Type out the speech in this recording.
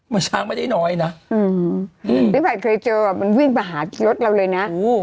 มันช้างไม่ได้น้อยนะอือหือนี่แบบเคยเจออ่ะมันวิ่งมาหารถเราเลยนะอู้